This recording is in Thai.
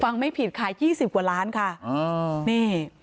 ฟังไม่ผิดค่ะ๒๐กว่าล้านบาทค่ะ